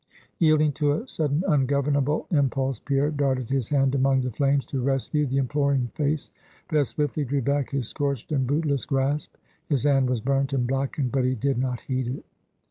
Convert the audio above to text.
Yielding to a sudden ungovernable impulse, Pierre darted his hand among the flames, to rescue the imploring face; but as swiftly drew back his scorched and bootless grasp. His hand was burnt and blackened, but he did not heed it.